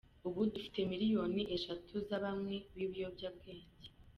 Ubu dufite miliyoni eshatu z’abanywi b’ibiyobyabwenge.